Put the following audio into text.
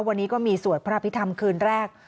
วันนี้ก็มีสวดพระอภิษฐรรมคืนแรก